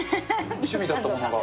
趣味だったものが。